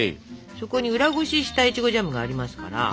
そこに裏ごししたいちごジャムがありますから。